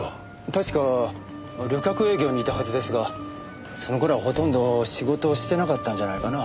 確か旅客営業にいたはずですがその頃はほとんど仕事をしてなかったんじゃないかな。